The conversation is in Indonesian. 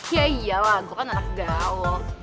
iya lah gue kan anak gaul